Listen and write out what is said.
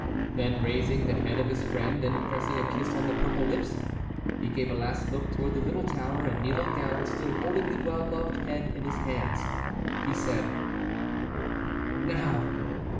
Then, raising the head of his friend and pressing a kiss on the purple lips, he gave a last look toward the little tower, and kneeling down, still holding the well loved head in his hand, he said: "Now!"